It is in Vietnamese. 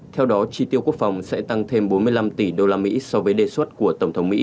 theo đó chi tiêu quốc phòng sẽ tăng thêm bốn mươi năm tỷ đô la mỹ so với đề xuất của tổng thống mỹ